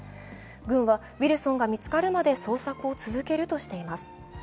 軍はウィルソンが見つかるまで捜索を続けるとしています。